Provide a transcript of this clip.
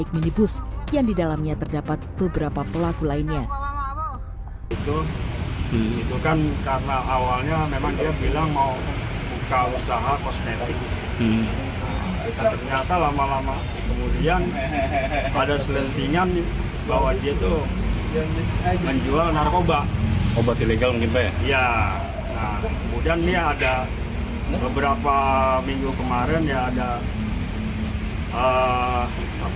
kemudian ini ada beberapa minggu kemarin ya ada